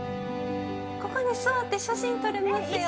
◆ここに座って写真撮れますよ。